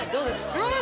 うん？